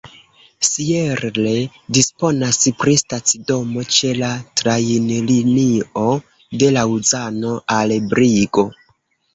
Sierre disponas pri stacidomo ĉe la trajnlinio de Laŭzano al Brigo.